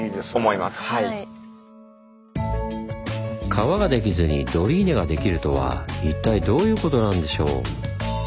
川ができずにドリーネができるとは一体どういうことなんでしょう？